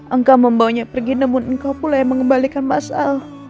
engkau membawanya pergi namun engkau pula yang mengembalikan mas al